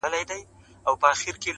o فقر بې مائې کسب دئ٫